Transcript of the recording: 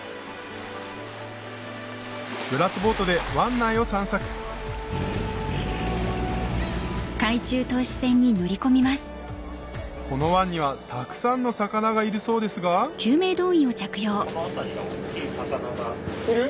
グラスボートで湾内を散策この湾にはたくさんの魚がいるそうですがいる？